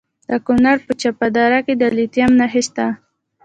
د کونړ په چپه دره کې د لیتیم نښې شته.